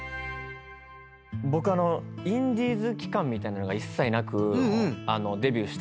僕インディーズ期間みたいなのが一切なくデビューしたんですよ。